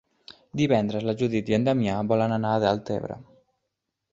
Divendres na Judit i en Damià volen anar a Deltebre.